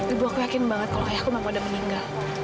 ibu aku yakin banget kalau ayahku mau udah meninggal